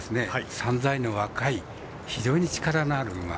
３歳の若い非常に力のある馬。